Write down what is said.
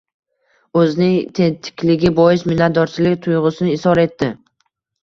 O‘zining tetikligi bois minnatdorchilik tuyg‘usini izhor etdi